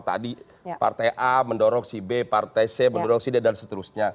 tadi partai a mendorong si b partai c mendorong si d dan seterusnya